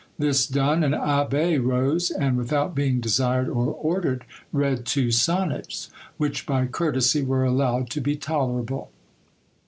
This done, an abbé rose, and, without being desired or ordered, read two sonnets, which by courtesy were allowed to be tolerable.